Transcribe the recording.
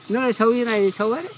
nó là sâu như này thì sâu hết